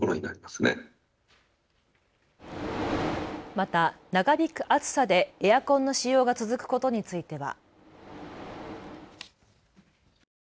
また長引く暑さでエアコンの使用が続くことについては。